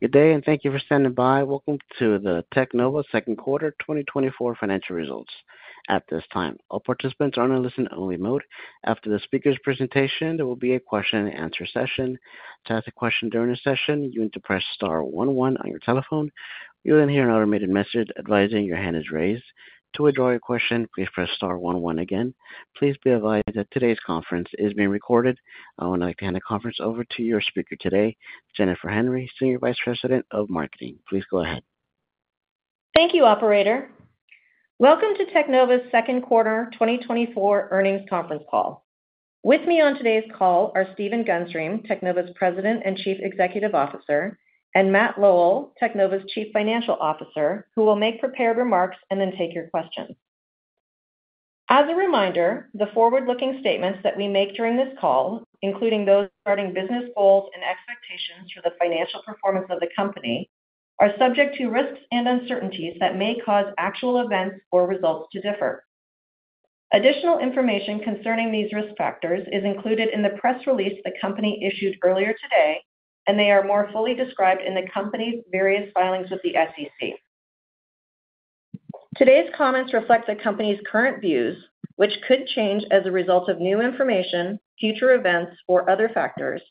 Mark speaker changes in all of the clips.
Speaker 1: Good day, and thank you for standing by. Welcome to the Teknova Second Quarter 2024 financial results. At this time, all participants are on a listen-only mode. After the speaker's presentation, there will be a question-and-answer session. To ask a question during the session, you need to press star one one on your telephone. You'll then hear an automated message advising your hand is raised. To withdraw your question, please press star one one again. Please be advised that today's conference is being recorded. I would like to hand the conference over to your speaker today, Jennifer Henry, Senior Vice President of Marketing. Please go ahead.
Speaker 2: Thank you, operator. Welcome to Teknova's second quarter 2024 earnings conference call. With me on today's call are Stephen Gunstream, Teknova's President and Chief Executive Officer, and Matt Lowell, Teknova's Chief Financial Officer, who will make prepared remarks and then take your questions. As a reminder, the forward-looking statements that we make during this call, including those regarding business goals and expectations for the financial performance of the company, are subject to risks and uncertainties that may cause actual events or results to differ. Additional information concerning these risk factors is included in the press release the company issued earlier today, and they are more fully described in the company's various filings with the SEC. Today's comments reflect the company's current views, which could change as a result of new information, future events, or other factors,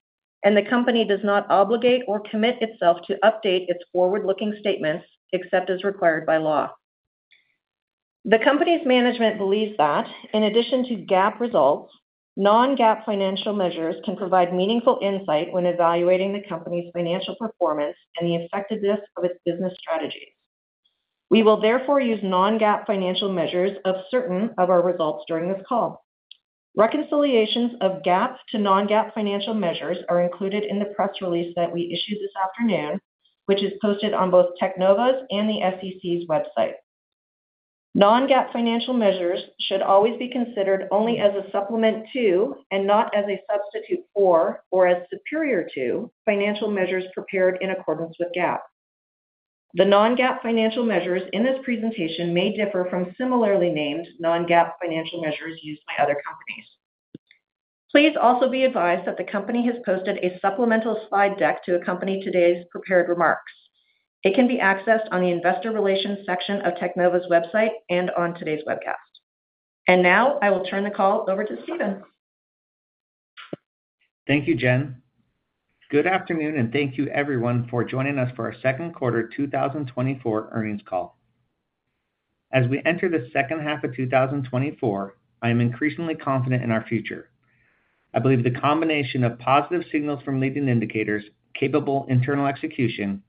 Speaker 2: and the company does not obligate or commit itself to update its forward-looking statements except as required by law. The company's management believes that, in addition to GAAP results, non-GAAP financial measures can provide meaningful insight when evaluating the company's financial performance and the effectiveness of its business strategy. We will therefore use non-GAAP financial measures of certain of our results during this call. Reconciliations of GAAP to non-GAAP financial measures are included in the press release that we issued this afternoon, which is posted on both Teknova's and the SEC's website. Non-GAAP financial measures should always be considered only as a supplement to, and not as a substitute for, or as superior to, financial measures prepared in accordance with GAAP. The non-GAAP financial measures in this presentation may differ from similarly named non-GAAP financial measures used by other companies. Please also be advised that the company has posted a supplemental slide deck to accompany today's prepared remarks. It can be accessed on the investor relations section of Teknova's website and on today's webcast. Now, I will turn the call over to Stephen.
Speaker 3: Thank you, Jen. Good afternoon, and thank you everyone for joining us for our second quarter 2024 earnings call. As we enter the second half of 2024, I am increasingly confident in our future. I believe the combination of positive signals from leading indicators, capable internal execution, and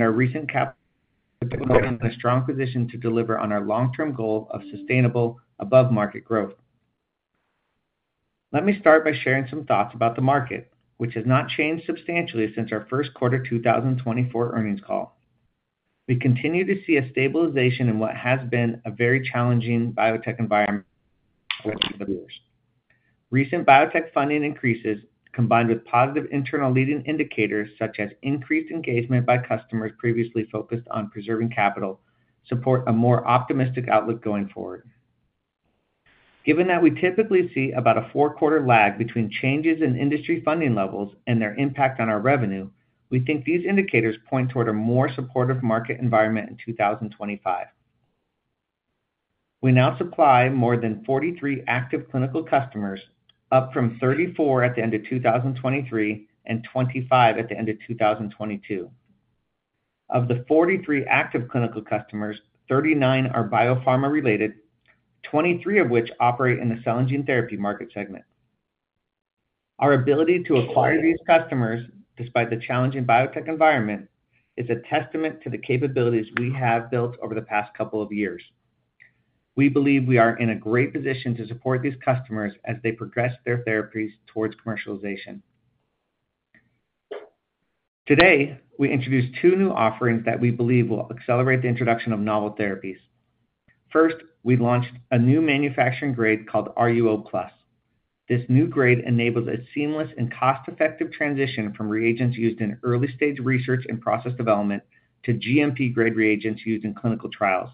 Speaker 3: our recent capital in a strong position to deliver on our long-term goal of sustainable above-market growth. Let me start by sharing some thoughts about the market, which has not changed substantially since our first quarter 2024 earnings call. We continue to see a stabilization in what has been a very challenging biotech environment for years. Recent biotech funding increases, combined with positive internal leading indicators, such as increased engagement by customers previously focused on preserving capital, support a more optimistic outlook going forward. Given that we typically see about a 4-quarter lag between changes in industry funding levels and their impact on our revenue, we think these indicators point toward a more supportive market environment in 2025. We now supply more than 43 active clinical customers, up from 34 at the end of 2023 and 25 at the end of 2022. Of the 43 active clinical customers, 39 are biopharma-related, 23 of which operate in the cell and gene therapy market segment. Our ability to acquire these customers, despite the challenging biotech environment, is a testament to the capabilities we have built over the past couple of years. We believe we are in a great position to support these customers as they progress their therapies towards commercialization. Today, we introduced 2 new offerings that we believe will accelerate the introduction of novel therapies. First, we launched a new manufacturing grade called RUO+. This new grade enables a seamless and cost-effective transition from reagents used in early-stage research and process development to GMP-grade reagents used in clinical trials.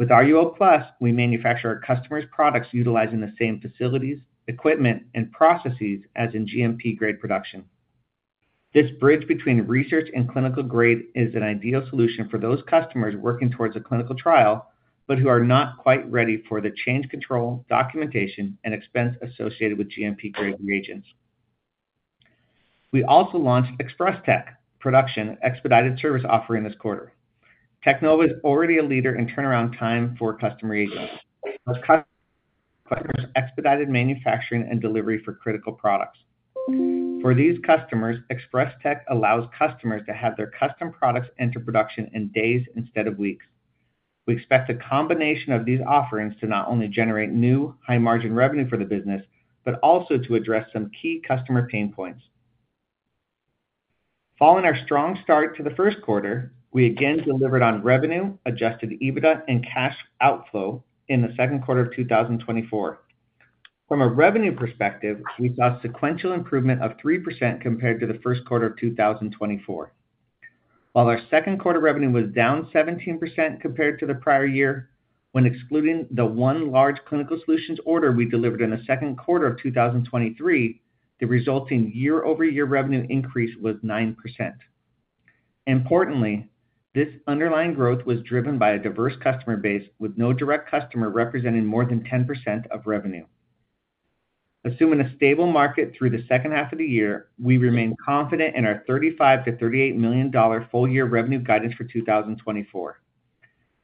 Speaker 3: With RUO+, we manufacture our customers' products utilizing the same facilities, equipment, and processes as in GMP-grade production. This bridge between research and clinical grade is an ideal solution for those customers working towards a clinical trial but who are not quite ready for the change, control, documentation, and expense associated with GMP-grade reagents. We also launched Express-Tek production, expedited service offering this quarter. Teknova is already a leader in turnaround time for customer reagents. Plus expedited manufacturing and delivery for critical products. For these customers, Express-Tek allows customers to have their custom products enter production in days instead of weeks. We expect a combination of these offerings to not only generate new, high-margin revenue for the business, but also to address some key customer pain points. Following our strong start to the first quarter, we again delivered on revenue, Adjusted EBITDA, and cash outflow in the second quarter of 2024. From a revenue perspective, we saw a sequential improvement of 3% compared to the first quarter of 2024. While our second quarter revenue was down 17% compared to the prior year, when excluding the one large Clinical Solutions order we delivered in the second quarter of 2023, the resulting year-over-year revenue increase was 9%. Importantly, this underlying growth was driven by a diverse customer base, with no direct customer representing more than 10% of revenue. Assuming a stable market through the second half of the year, we remain confident in our $35 million-$38 million full-year revenue guidance for 2024.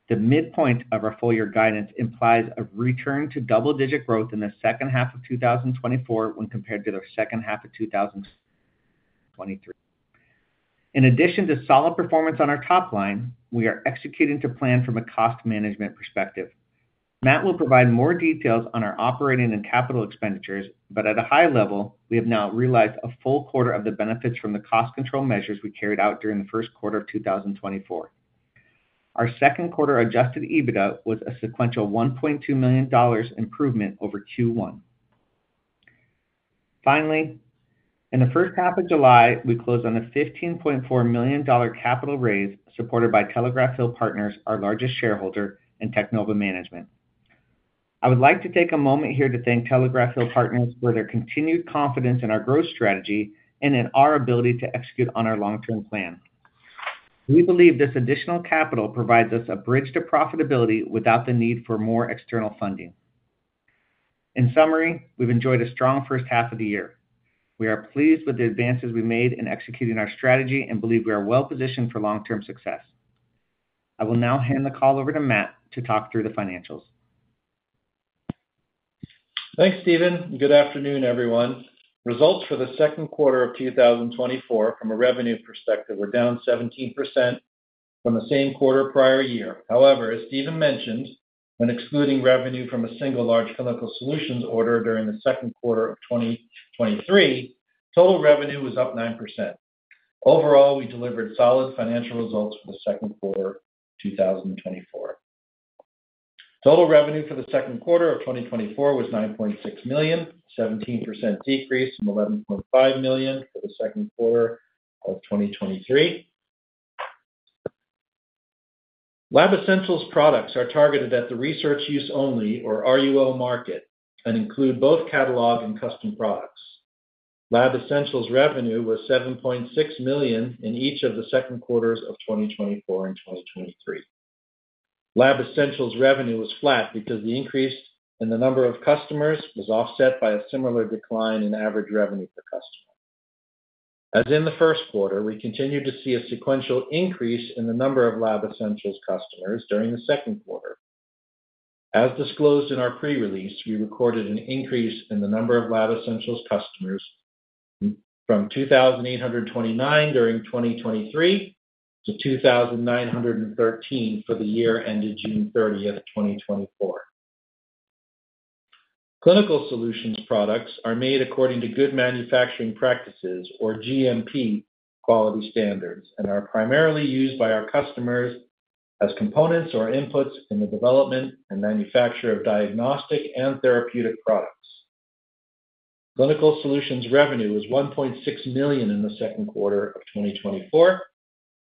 Speaker 3: The midpoint of our full-year guidance implies a return to double-digit growth in the second half of 2024 when compared to the second half of 2023. In addition to solid performance on our top line, we are executing to plan from a cost management perspective. Matt will provide more details on our operating and capital expenditures, but at a high level, we have now realized a full quarter of the benefits from the cost control measures we carried out during the first quarter of 2024. Our second quarter Adjusted EBITDA was a sequential $1.2 million improvement over Q1. Finally, in the first half of July, we closed on a $15.4 million capital raise supported by Telegraph Hill Partners, our largest shareholder, and Teknova Management. I would like to take a moment here to thank Telegraph Hill Partners for their continued confidence in our growth strategy and in our ability to execute on our long-term plan. We believe this additional capital provides us a bridge to profitability without the need for more external funding. In summary, we've enjoyed a strong first half of the year. We are pleased with the advances we made in executing our strategy and believe we are well positioned for long-term success. I will now hand the call over to Matt to talk through the financials.
Speaker 4: Thanks, Stephen. Good afternoon, everyone. Results for the second quarter of 2024 from a revenue perspective were down 17% from the same quarter prior year. However, as Stephen mentioned, when excluding revenue from a single large Clinical Solutions order during the second quarter of 2023, total revenue was up 9%. Overall, we delivered solid financial results for the second quarter 2024. Total revenue for the second quarter of 2024 was $9.6 million, 17% decrease from $11.5 million for the second quarter of 2023. Lab Essentials products are targeted at the research use only, or RUO market, and include both catalog and custom products. Lab Essentials revenue was $7.6 million in each of the second quarters of 2024 and 2023. Lab Essentials revenue was flat because the increase in the number of customers was offset by a similar decline in average revenue per customer. As in the first quarter, we continued to see a sequential increase in the number of Lab Essentials customers during the second quarter. As disclosed in our pre-release, we recorded an increase in the number of Lab Essentials customers from 2,829 during 2023 to 2,913 for the year ended June thirtieth, 2024. Clinical Solutions products are made according to good manufacturing practices or GMP quality standards, and are primarily used by our customers as components or inputs in the development and manufacture of diagnostic and therapeutic products. Clinical Solutions revenue was $1.6 million in the second quarter of 2024,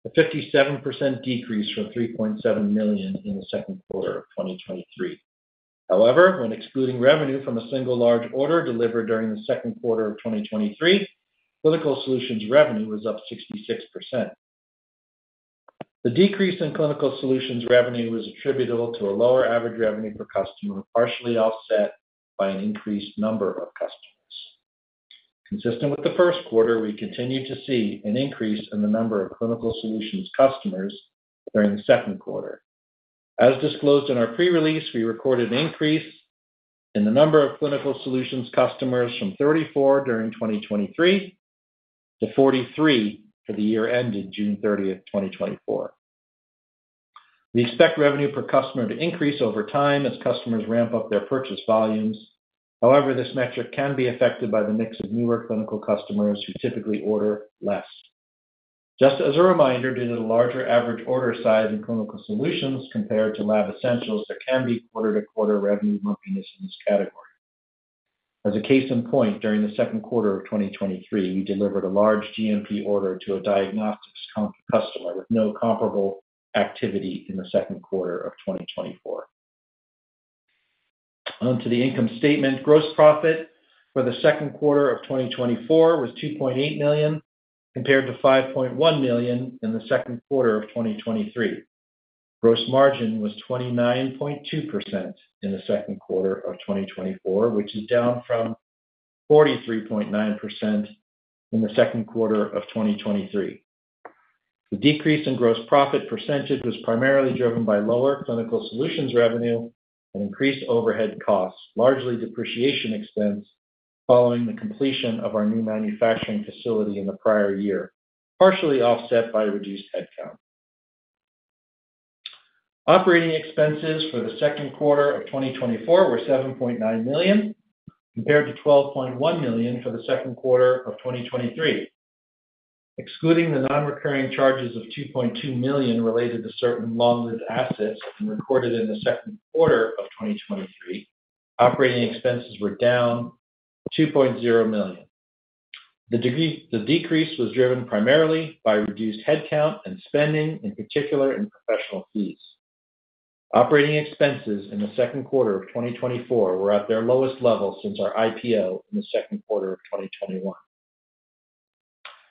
Speaker 4: a 57% decrease from $3.7 million in the second quarter of 2023. However, when excluding revenue from a single large order delivered during the second quarter of 2023, Clinical Solutions revenue was up 66%. The decrease in Clinical Solutions revenue was attributable to a lower average revenue per customer, partially offset by an increased number of customers. Consistent with the first quarter, we continued to see an increase in the number of Clinical Solutions customers during the second quarter. As disclosed in our pre-release, we recorded an increase in the number of Clinical Solutions customers from 34 during 2023 to 43 for the year ended June 30, 2024. We expect revenue per customer to increase over time as customers ramp up their purchase volumes. However, this metric can be affected by the mix of newer clinical customers who typically order less. Just as a reminder, due to the larger average order size in Clinical Solutions compared to Lab Essentials, there can be quarter-to-quarter revenue lumpiness in this category. As a case in point, during the second quarter of 2023, we delivered a large GMP order to a diagnostics customer, with no comparable activity in the second quarter of 2024. On to the income statement. Gross profit for the second quarter of 2024 was $2.8 million, compared to $5.1 million in the second quarter of 2023. Gross margin was 29.2% in the second quarter of 2024, which is down from 43.9% in the second quarter of 2023. The decrease in gross profit percentage was primarily driven by lower Clinical Solutions revenue and increased overhead costs, largely depreciation expense following the completion of our new manufacturing facility in the prior year, partially offset by reduced headcount. Operating expenses for the second quarter of 2024 were $7.9 million, compared to $12.1 million for the second quarter of 2023. Excluding the non-recurring charges of $2.2 million related to certain long-lived assets and recorded in the second quarter of 2023, operating expenses were down $2.0 million. The decrease was driven primarily by reduced headcount and spending, in particular in professional fees. Operating expenses in the second quarter of 2024 were at their lowest level since our IPO in the second quarter of 2021.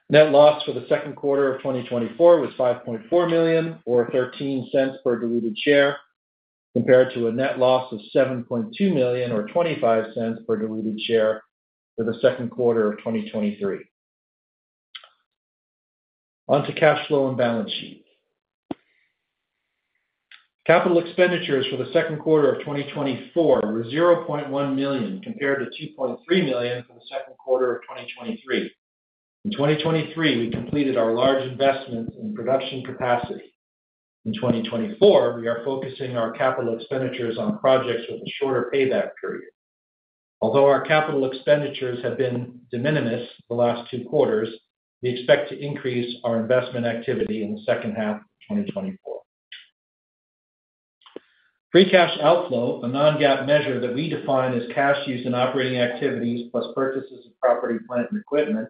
Speaker 4: Net loss for the second quarter of 2024 was $5.4 million, or $0.13 per diluted share, compared to a net loss of $7.2 million, or $0.25 per diluted share for the second quarter of 2023. On to cash flow and balance sheet. Capital expenditures for the second quarter of 2024 were $0.1 million, compared to $2.3 million for the second quarter of 2023. In 2023, we completed our large investments in production capacity. In 2024, we are focusing our capital expenditures on projects with a shorter payback period. Although our capital expenditures have been de minimis the last two quarters, we expect to increase our investment activity in the second half of 2024. Free cash outflow, a non-GAAP measure that we define as cash used in operating activities plus purchases of property, plant, and equipment,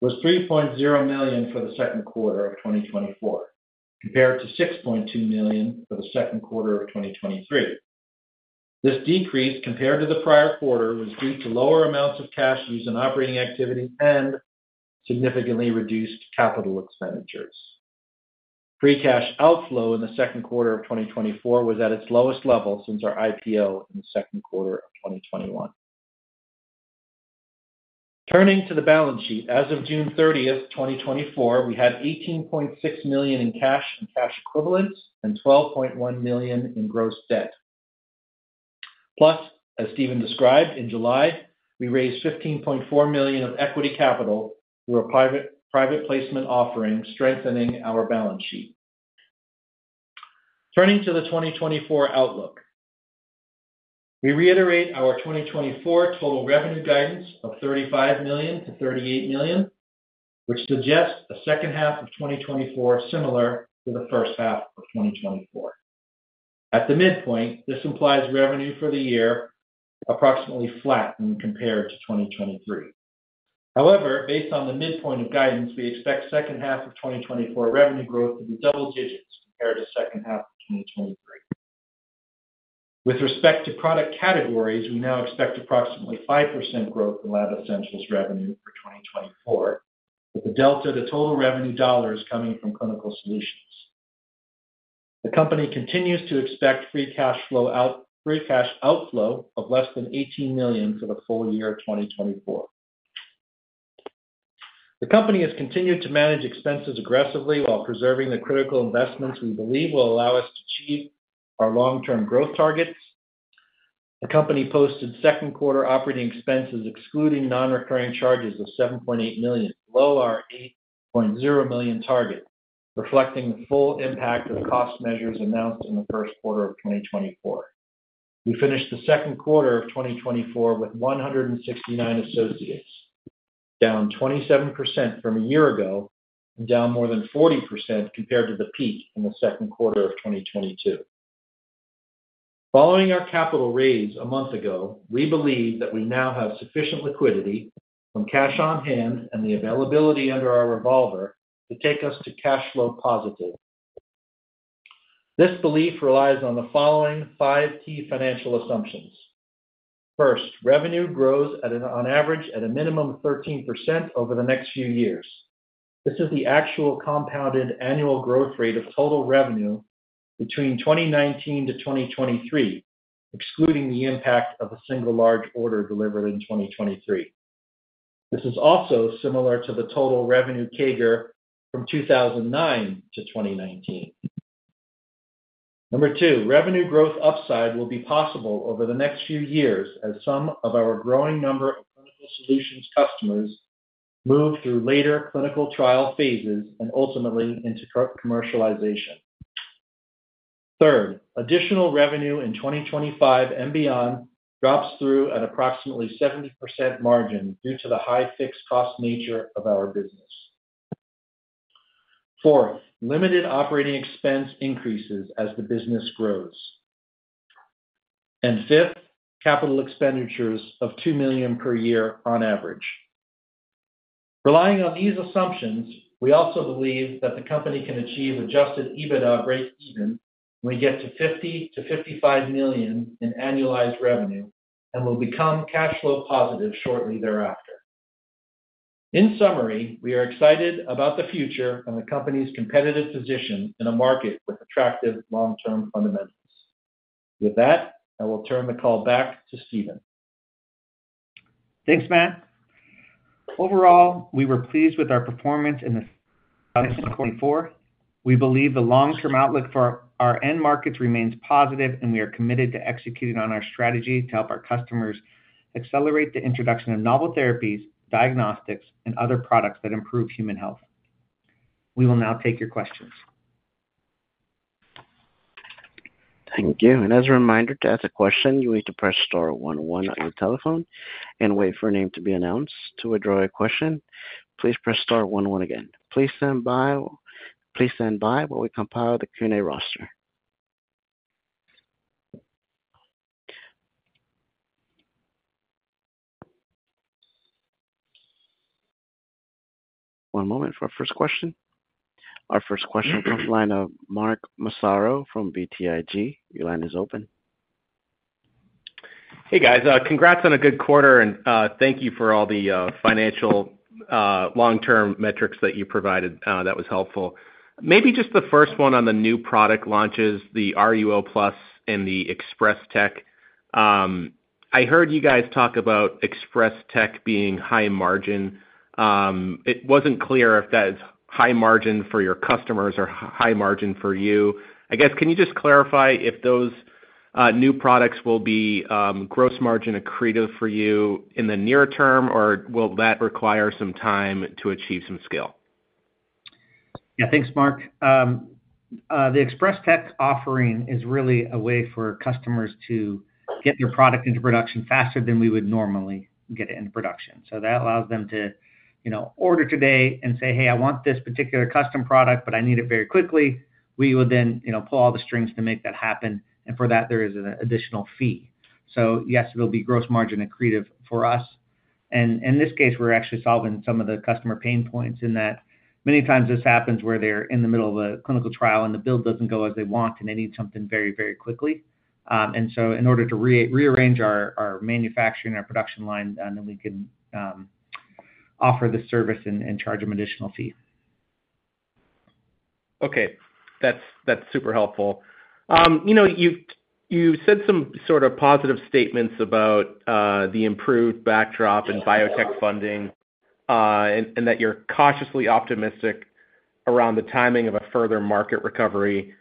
Speaker 4: was $3.0 million for the second quarter of 2024, compared to $6.2 million for the second quarter of 2023. This decrease, compared to the prior quarter, was due to lower amounts of cash used in operating activity and significantly reduced capital expenditures. Free cash outflow in the second quarter of 2024 was at its lowest level since our IPO in the second quarter of 2021. Turning to the balance sheet. As of June 30, 2024, we had $18.6 million in cash and cash equivalents and $12.1 million in gross debt. Plus, as Stephen described, in July, we raised $15.4 million of equity capital through a private placement offering, strengthening our balance sheet. Turning to the 2024 outlook. We reiterate our 2024 total revenue guidance of $35 million-$38 million, which suggests a second half of 2024, similar to the first half of 2024. At the midpoint, this implies revenue for the year approximately flat when compared to 2023. However, based on the midpoint of guidance, we expect second half of 2024 revenue growth to be double digits compared to second half of 2023. With respect to product categories, we now expect approximately 5% growth in Lab Essentials revenue for 2024, with the delta to total revenue dollars coming from Clinical Solutions. The company continues to expect Free Cash Outflow of less than $18 million for the full year of 2024. The company has continued to manage expenses aggressively while preserving the critical investments we believe will allow us to achieve our long-term growth targets. The company posted second quarter operating expenses, excluding non-recurring charges of $7.8 million, below our $8.0 million target, reflecting the full impact of cost measures announced in the first quarter of 2024. We finished the second quarter of 2024 with 169 associates, down 27% from a year ago, and down more than 40% compared to the peak in the second quarter of 2022. Following our capital raise a month ago, we believe that we now have sufficient liquidity from cash on hand and the availability under our revolver to take us to cash flow positive. This belief relies on the following 5 key financial assumptions. First, revenue grows on average at a minimum of 13% over the next few years. This is the actual compounded annual growth rate of total revenue between 2019 to 2023, excluding the impact of a single large order delivered in 2023. This is also similar to the total revenue CAGR from 2009 to 2019. Number two, revenue growth upside will be possible over the next few years as some of our growing number of clinical solutions customers move through later clinical trial phases and ultimately into commercialization. Third, additional revenue in 2025 and beyond drops through at approximately 70% margin due to the high fixed cost nature of our business. Fourth, limited operating expense increases as the business grows. Fifth, capital expenditures of $2 million per year on average. Relying on these assumptions, we also believe that the company can achieve Adjusted EBITDA break even when we get to $50 million-$55 million in annualized revenue and will become cash flow positive shortly thereafter. In summary, we are excited about the future and the company's competitive position in a market with attractive long-term fundamentals. With that, I will turn the call back to Stephen.
Speaker 3: Thanks, Matt. Overall, we were pleased with our performance in 2024. We believe the long-term outlook for our end markets remains positive, and we are committed to executing on our strategy to help our customers accelerate the introduction of novel therapies, diagnostics, and other products that improve human health. We will now take your questions.
Speaker 1: Thank you. And as a reminder, to ask a question, you need to press star one one on your telephone and wait for a name to be announced. To withdraw your question, please press star one one again. Please stand by. Please stand by while we compile the Q&A roster. One moment for our first question. Our first question comes from the line of Mark Massaro from BTIG. Your line is open.
Speaker 5: Hey, guys. Congrats on a good quarter, and thank you for all the financial long-term metrics that you provided. That was helpful. Maybe just the first one on the new product launches, the RUO+ and the Express -Tech. I heard you guys talk about Express -Tech being high margin. It wasn't clear if that's high margin for your customers or high margin for you. I guess, can you just clarify if those new products will be gross margin accretive for you in the near term, or will that require some time to achieve some scale?
Speaker 3: Yeah, thanks, Mark. The Express-Tek offering is really a way for customers to get their product into production faster than we would normally get it into production. So that allows them to, you know, order today and say, "Hey, I want this particular custom product, but I need it very quickly." We would then, you know, pull all the strings to make that happen, and for that, there is an additional fee. So yes, it'll be gross margin accretive for us. And in this case, we're actually solving some of the customer pain points in that many times this happens where they're in the middle of a clinical trial and the build doesn't go as they want, and they need something very, very quickly. And so in order to rearrange our manufacturing, our production line, and then we can offer the service and charge them additional fees.
Speaker 5: Okay. That's, that's super helpful. You know, you've, you've said some sort of positive statements about the improved backdrop in biotech funding, and, and that you're cautiously optimistic around the timing of a further market recovery.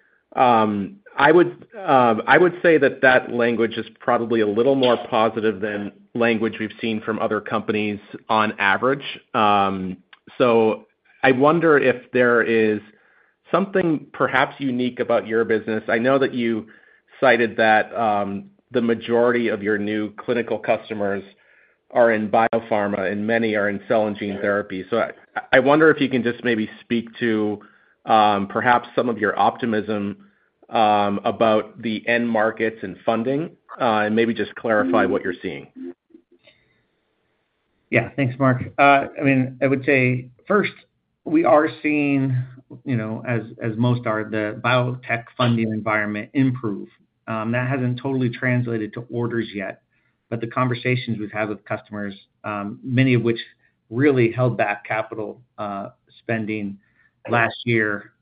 Speaker 5: I would, I would say that that language is probably a little more positive than language we've seen from other companies on average. So I wonder if there is something perhaps unique about your business. I know that you cited that the majority of your new clinical customers are in biopharma, and many are in cell and gene therapy. So I, I wonder if you can just maybe speak to perhaps some of your optimism about the end markets and funding, and maybe just clarify what you're seeing.
Speaker 3: Yeah. Thanks, Mark. I mean, I would say first, we are seeing, you know, as most are, the biotech funding environment improve. That hasn't totally translated to orders yet, but the conversations we've had with customers, many of which really held back capital spending last year,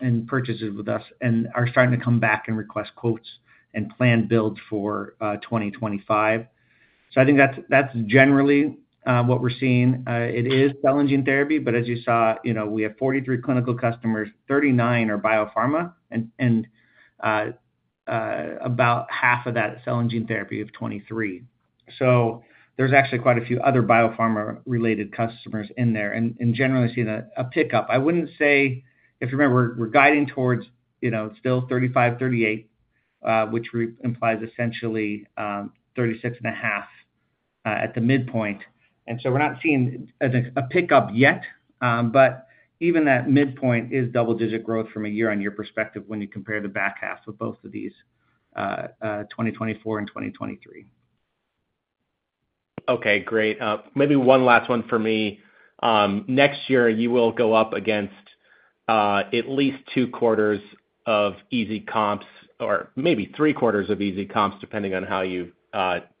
Speaker 3: and purchases with us and are starting to come back and request quotes and plan builds for 2025. So I think that's generally what we're seeing. It is cell and gene therapy, but as you saw, you know, we have 43 clinical customers, 39 are biopharma and about half of that cell and gene therapy of 23. So there's actually quite a few other biopharma-related customers in there, and generally see a pickup. I wouldn't say, if you remember, we're guiding towards, you know, still 35, 38, which implies essentially, 36.5 at the midpoint. And so we're not seeing a pickup yet, but even that midpoint is double-digit growth from a year-on-year perspective when you compare the back half of both of these, 2024 and 2023.
Speaker 5: Okay, great. Maybe one last one for me. Next year, you will go up against at least two quarters of easy comps or maybe three quarters of easy comps, depending on how you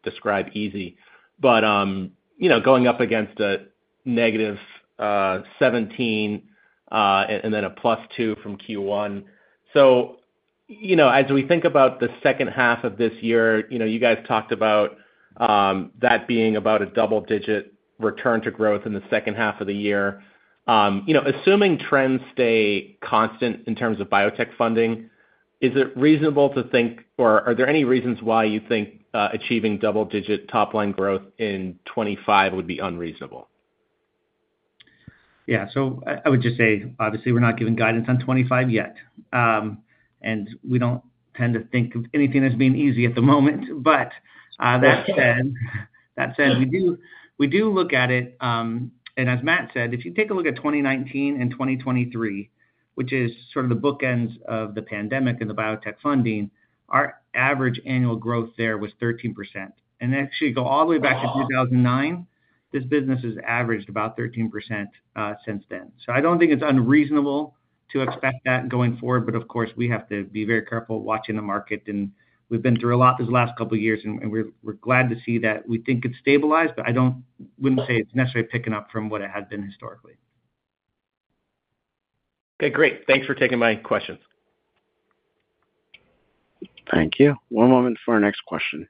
Speaker 5: describe easy. But you know, going up against a negative 17 and then a +2 from Q1. So you know, as we think about the second half of this year, you know, you guys talked about that being about a double-digit return to growth in the second half of the year. You know, assuming trends stay constant in terms of biotech funding, is it reasonable to think, or are there any reasons why you think achieving double-digit top-line growth in 2025 would be unreasonable?
Speaker 3: Yeah. So I would just say, obviously, we're not giving guidance on 25 yet. And we don't tend to think of anything as being easy at the moment. But that said, we do look at it. And as Matt said, if you take a look at 2019 and 2023, which is sort of the bookends of the pandemic and the biotech funding, our average annual growth there was 13%. And actually go all the way back to 2009, this business has averaged about 13% since then. So I don't think it's unreasonable to expect that going forward, but of course, we have to be very careful watching the market, and we've been through a lot these last couple of years, and we're glad to see that. We think it's stabilized, but I wouldn't say it's necessarily picking up from what it had been historically.
Speaker 5: Okay, great. Thanks for taking my questions.
Speaker 1: Thank you. One moment for our next question.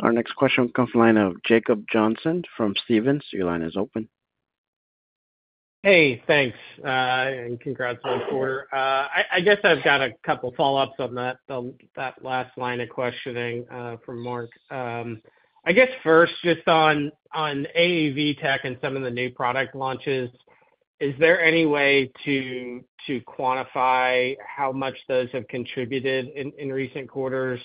Speaker 1: Our next question comes from the line of Jacob Johnson from Stephens. Your line is open.
Speaker 6: Hey, thanks, and congrats on the quarter. I guess I've got a couple follow-ups on that, that last line of questioning from Mark. I guess first, just on AAV-Tek and some of the new product launches, is there any way to quantify how much those have contributed in recent quarters,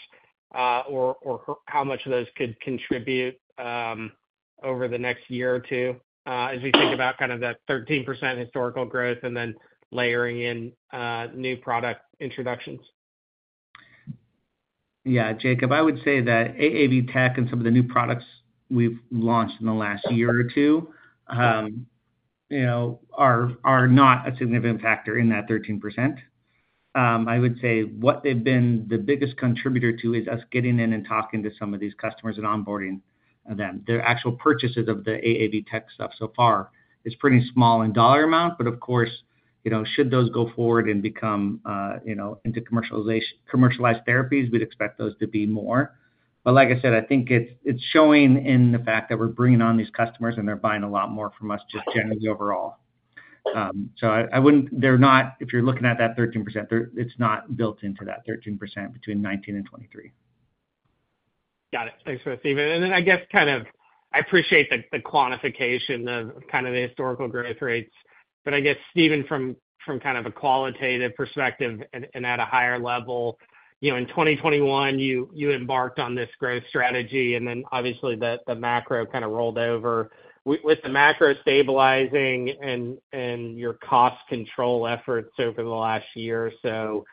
Speaker 6: or how much of those could contribute over the next year or two, as we think about kind of that 13% historical growth and then layering in new product introductions?
Speaker 3: Yeah, Jacob, I would say that AAV-Tek and some of the new products we've launched in the last year or two, you know, are, are not a significant factor in that 13%. I would say what they've been the biggest contributor to is us getting in and talking to some of these customers and onboarding them. Their actual purchases of the AAV-Tek stuff so far is pretty small in dollar amount, but of course, you know, should those go forward and become, you know, into commercialization, commercialized therapies, we'd expect those to be more. But like I said, I think it's, it's showing in the fact that we're bringing on these customers and they're buying a lot more from us just generally overall. So, I wouldn't, they're not, if you're looking at that 13%, it's not built into that 13% between 2019 and 2023.
Speaker 6: Got it. Thanks for that, Steven. And then I guess kind of I appreciate the, the quantification of kind of the historical growth rates. But I guess, Steven, from, from kind of a qualitative perspective and, and at a higher level, you know, in 2021, you, you embarked on this growth strategy, and then obviously, the, the macro kind of rolled over. With the macro stabilizing and, and your cost control efforts over the last year or so,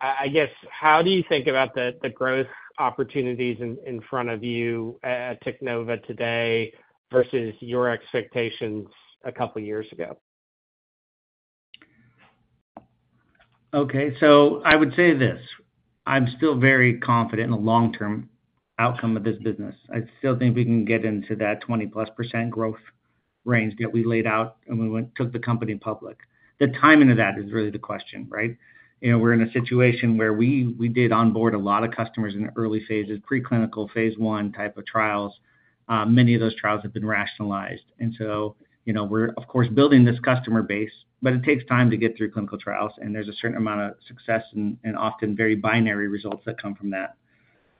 Speaker 6: I, I guess, how do you think about the, the growth opportunities in, in front of you at, at Teknova today versus your expectations a couple of years ago?
Speaker 3: Okay, so I would say this: I'm still very confident in the long-term outcome of this business. I still think we can get into that 20%+ growth range that we laid out when we took the company public. The timing of that is really the question, right? You know, we're in a situation where we did onboard a lot of customers in the early phases, preclinical phase I type of trials. Many of those trials have been rationalized. And so, you know, we're of course building this customer base, but it takes time to get through clinical trials, and there's a certain amount of success and often very binary results that come from that.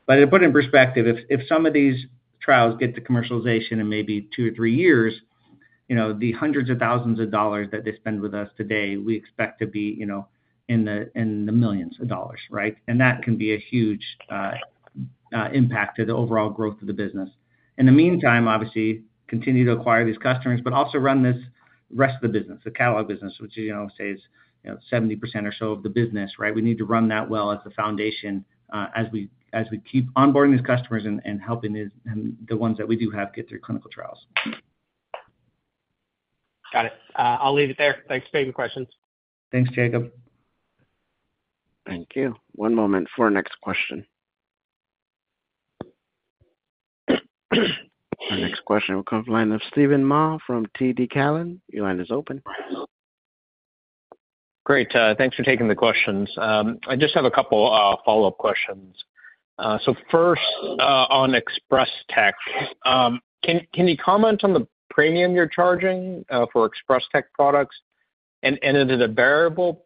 Speaker 3: To put it in perspective, if some of these trials get to commercialization in maybe 2 or 3 years, you know, the hundreds of thousands of dollars that they spend with us today, we expect to be, you know, in the millions of dollars, right? And that can be a huge impact to the overall growth of the business. In the meantime, obviously, continue to acquire these customers, but also run this rest of the business, the catalog business, which, you know, say is, you know, 70% or so of the business, right? We need to run that well as the foundation, as we keep onboarding these customers and helping the ones that we do have get through clinical trials.
Speaker 6: Got it. I'll leave it there. Thanks for taking the questions.
Speaker 3: Thanks, Jacob.
Speaker 1: Thank you. One moment for our next question. Our next question will come from the line of Steven Mah from TD Cowen. Your line is open.
Speaker 7: Great, thanks for taking the questions. I just have a couple follow-up questions. So first, on Express-Tek, can you comment on the premium you're charging for Express-Tek products? And is it a variable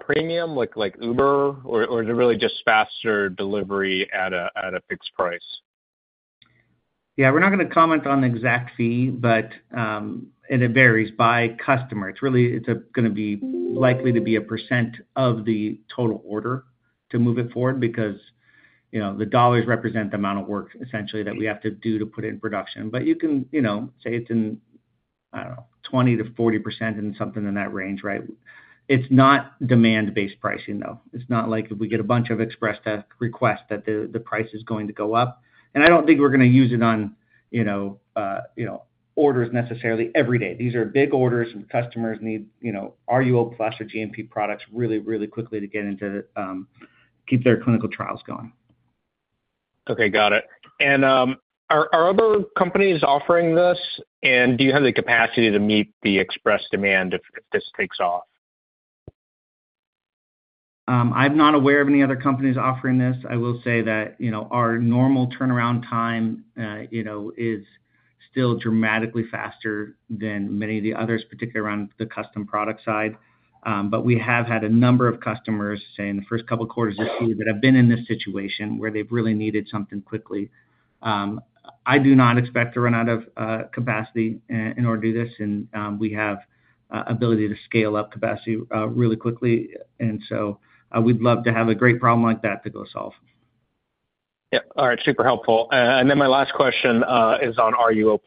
Speaker 7: premium, like Uber, or is it really just faster delivery at a fixed price?
Speaker 3: Yeah, we're not going to comment on the exact fee, but and it varies by customer. It's really, it's going to be likely to be a percent of the total order to move it forward because, you know, the dollars represent the amount of work, essentially, that we have to do to put it in production. But you can, you know, say it's in, I don't know, 20%-40% or something in that range, right? It's not demand-based pricing, though. It's not like if we get a bunch of Express-Tek requests, that the, the price is going to go up. And I don't think we're going to use it on, you know, you know, orders necessarily every day. These are big orders, and customers need, you know, RUO+ or GMP products really, really quickly to get into keep their clinical trials going.
Speaker 7: Okay, got it. And, are other companies offering this, and do you have the capacity to meet the express demand if this takes off?
Speaker 3: I'm not aware of any other companies offering this. I will say that, you know, our normal turnaround time, you know, is still dramatically faster than many of the others, particularly around the custom product side. But we have had a number of customers, say, in the first couple of quarters this year, that have been in this situation where they've really needed something quickly. I do not expect to run out of capacity in order to do this, and we have ability to scale up capacity really quickly, and so we'd love to have a great problem like that to go solve.
Speaker 7: Yeah. All right, super helpful. And then my last question is on RUO+.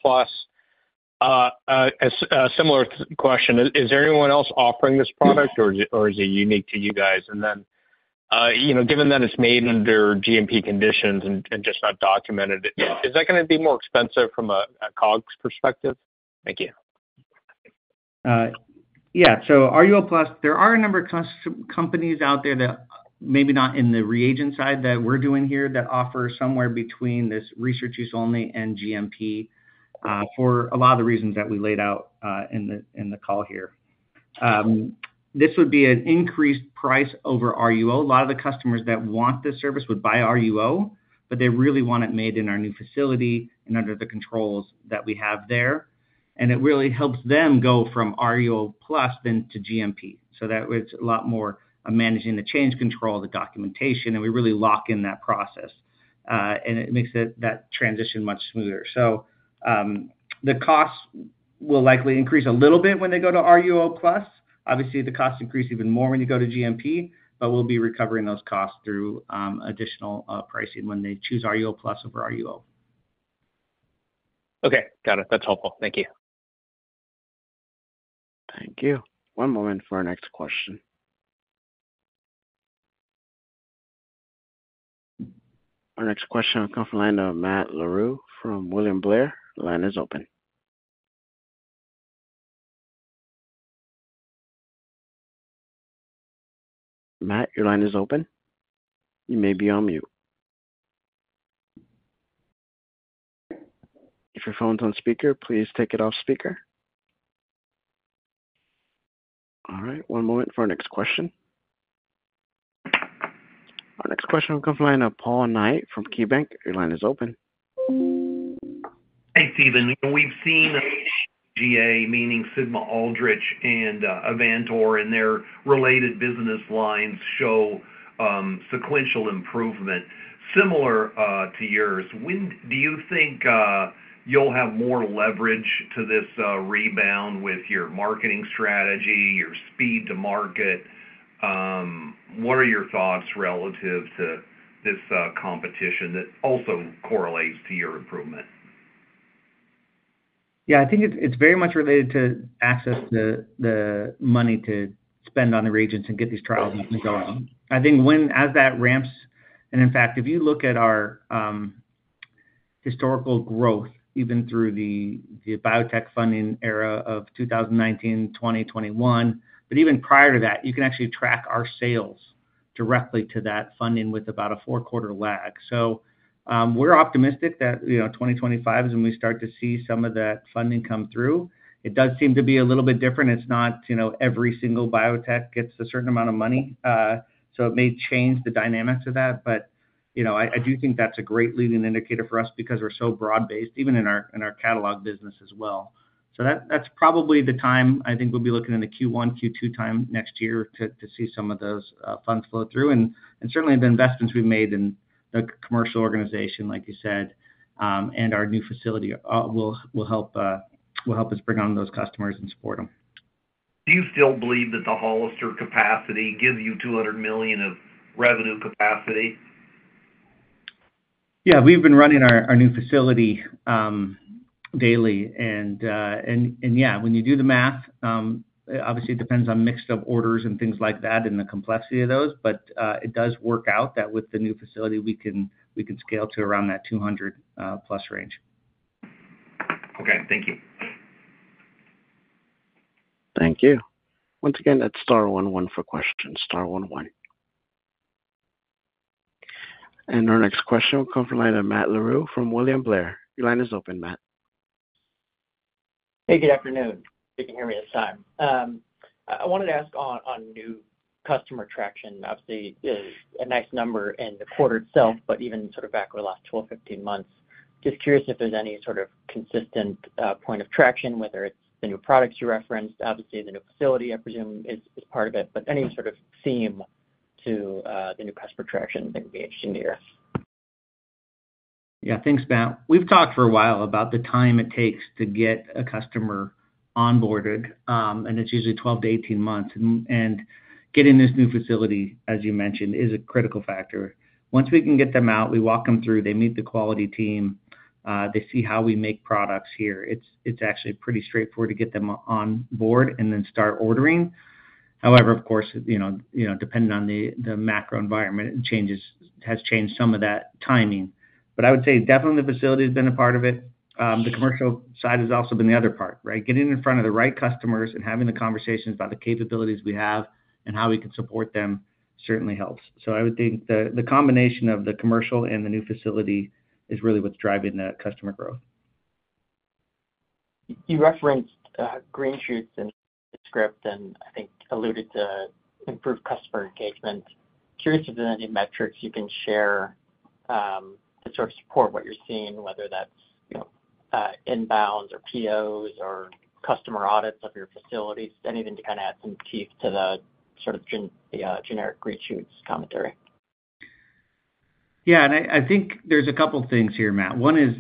Speaker 7: A similar question, is there anyone else offering this product, or is it unique to you guys? And then, you know, given that it's made under GMP conditions and just not documented, is that going to be more expensive from a COGS perspective? Thank you.
Speaker 3: Yeah. So RUO plus, there are a number of companies out there that maybe not in the reagent side that we're doing here, that offer somewhere between this research use only and GMP, for a lot of the reasons that we laid out in the call here. This would be an increased price over RUO. A lot of the customers that want this service would buy RUO, but they really want it made in our new facility and under the controls that we have there. And it really helps them go from RUO plus then to GMP. So that was a lot more of managing the change control, the documentation, and we really lock in that process, and it makes it, that transition much smoother. The costs will likely increase a little bit when they go to RUO plus. Obviously, the costs increase even more when you go to GMP, but we'll be recovering those costs through additional pricing when they choose RUO plus over RUO.
Speaker 7: Okay, got it. That's helpful. Thank you.
Speaker 1: Thank you. One moment for our next question. Our next question will come from the line of Matt Larew from William Blair. The line is open. Matt, your line is open. You may be on mute. If your phone's on speaker, please take it off speaker. All right, one moment for our next question. Our next question will come from the line of Paul Knight from KeyBanc. Your line is open.
Speaker 8: Hey, Stephen. We've seen HGA, meaning Sigma-Aldrich and Avantor, and their related business lines show sequential improvement similar to yours. When do you think you'll have more leverage to this rebound with your marketing strategy, your speed to market? What are your thoughts relative to this competition that also correlates to your improvement?
Speaker 3: Yeah, I think it's very much related to access to the money to spend on the reagents and get these trials going. I think as that ramps, and in fact, if you look at our historical growth, even through the biotech funding era of 2019, 2020, 2021, but even prior to that, you can actually track our sales directly to that funding with about a 4-quarter lag. So, we're optimistic that, you know, 2025 is when we start to see some of that funding come through. It does seem to be a little bit different. It's not, you know, every single biotech gets a certain amount of money, so it may change the dynamics of that. But, you know, I do think that's a great leading indicator for us because we're so broad-based, even in our catalog business as well. So that's probably the time. I think we'll be looking in the Q1, Q2 time next year to see some of those funds flow through. And certainly the investments we've made in the commercial organization, like you said, and our new facility will help us bring on those customers and support them.
Speaker 8: Do you still believe that the Hollister capacity gives you $200 million of revenue capacity?
Speaker 3: Yeah, we've been running our new facility daily, and yeah, when you do the math, obviously it depends on mix of orders and things like that and the complexity of those, but it does work out that with the new facility, we can scale to around that 200+ range.
Speaker 8: Okay, thank you.
Speaker 1: Thank you. Once again, that's star one one for questions, star one one. And our next question will come from the line of Matt Larew from William Blair. Your line is open, Matt.
Speaker 9: Hey, good afternoon. If you can hear me this time. I wanted to ask on new customer traction. Obviously, a nice number in the quarter itself, but even sort of back over the last 12, 15 months. Just curious if there's any sort of consistent point of traction, whether it's the new products you referenced. Obviously, the new facility, I presume, is part of it, but any sort of theme to the new customer traction that would be interesting to hear.
Speaker 3: Yeah. Thanks, Matt. We've talked for a while about the time it takes to get a customer onboarded, and it's usually 12-18 months, and getting this new facility, as you mentioned, is a critical factor. Once we can get them out, we walk them through, they meet the quality team, they see how we make products here. It's actually pretty straightforward to get them on board and then start ordering. However, of course, you know, you know, depending on the macro environment, it changes, has changed some of that timing. But I would say definitely the facility has been a part of it. The commercial side has also been the other part, right? Getting in front of the right customers and having the conversations about the capabilities we have and how we can support them certainly helps. So I would think the combination of the commercial and the new facility is really what's driving that customer growth.
Speaker 9: You referenced green shoots in the script and I think alluded to improved customer engagement. Curious if there are any metrics you can share to sort of support what you're seeing, whether that's, you know, inbounds or POs or customer audits of your facilities, anything to kind of add some teeth to the sort of the generic green shoots commentary?
Speaker 3: Yeah, and I, I think there's a couple things here, Matt. One is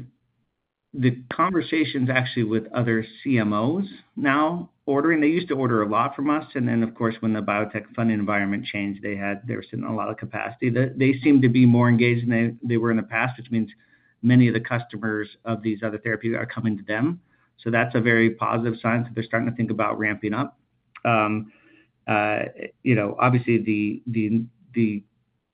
Speaker 3: the conversations actually with other CMOs now ordering. They used to order a lot from us, and then, of course, when the biotech funding environment changed, they had, there was sitting a lot of capacity, that they seem to be more engaged than they, they were in the past, which means many of the customers of these other therapies are coming to them. So that's a very positive sign that they're starting to think about ramping up. You know, obviously, the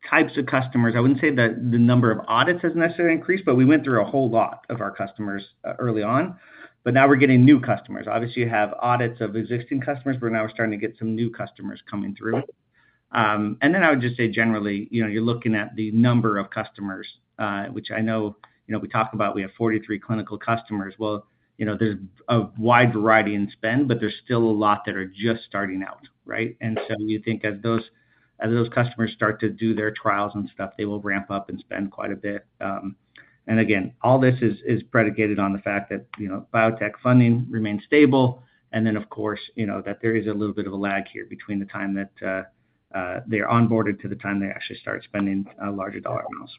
Speaker 3: types of customers, I wouldn't say that the number of audits has necessarily increased, but we went through a whole lot of our customers, early on, but now we're getting new customers. Obviously, you have audits of existing customers, but now we're starting to get some new customers coming through. And then I would just say, generally, you know, you're looking at the number of customers, which I know, you know, we talk about we have 43 clinical customers. Well, you know, there's a wide variety in spend, but there's still a lot that are just starting out, right? And so we think as those, as those customers start to do their trials and stuff, they will ramp up and spend quite a bit. And again, all this is predicated on the fact that, you know, biotech funding remains stable. And then, of course, you know, that there is a little bit of a lag here between the time that they're onboarded to the time they actually start spending larger dollar amounts.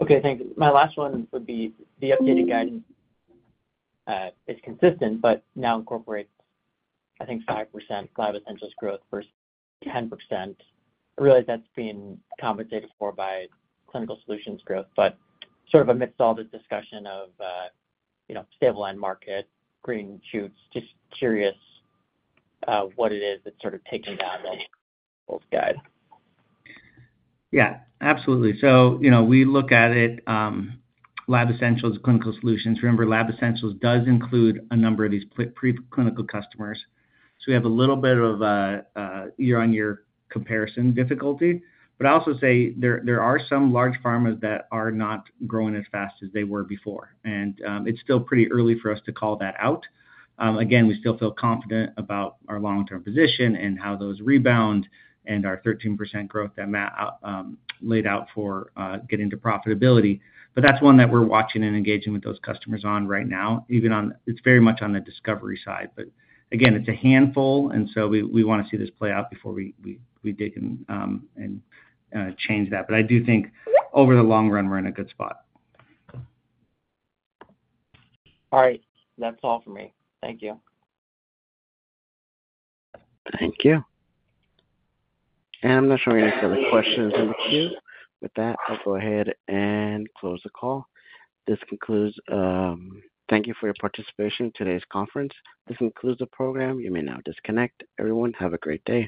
Speaker 9: Okay, thank you. My last one would be the updated guidance is consistent, but now incorporates, I think, 5% Lab Essentials growth versus 10%. I realize that's being compensated for by Clinical Solutions growth, but sort of amidst all this discussion of, you know, stable end market, green shoots, just curious what it is that's sort of taking down the whole guide.
Speaker 3: Yeah, absolutely. So, you know, we look at it, Lab Essentials, Clinical Solutions. Remember, Lab Essentials does include a number of these preclinical customers. So we have a little bit of a year-on-year comparison difficulty, but I also say there are some large pharmas that are not growing as fast as they were before, and it's still pretty early for us to call that out. Again, we still feel confident about our long-term position and how those rebound and our 13% growth that Matt laid out for getting to profitability. But that's one that we're watching and engaging with those customers on right now. Even on. It's very much on the discovery side, but again, it's a handful, and so we want to see this play out before we dig in and change that. But I do think over the long run, we're in a good spot.
Speaker 9: All right. That's all for me. Thank you.
Speaker 1: Thank you. I'm not showing any other questions in the queue. With that, I'll go ahead and close the call. This concludes. Thank you for your participation in today's conference. This concludes the program. You may now disconnect. Everyone, have a great day.